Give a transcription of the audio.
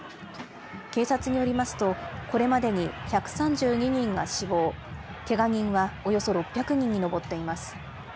警察によりますと、これまでに１３２人が死亡、けが人はおよそ６００人に上っています。